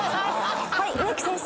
はい植木先生。